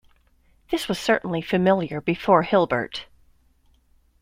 This was certainly familiar before Hilbert.